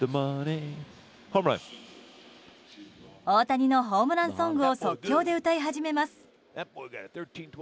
大谷のホームランソングを即興で歌い始めます。